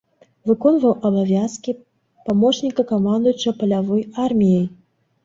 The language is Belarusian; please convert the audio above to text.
Выконваў абавязкі, памочніка камандуючага палявой арміяй.